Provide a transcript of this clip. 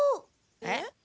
えっ？